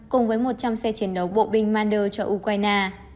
cùng với một trăm linh xe chiến đấu bộ binh mander cho ukraine